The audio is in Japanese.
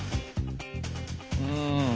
うん。